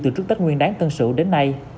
từ trước tết nguyên đáng tân sự đến nay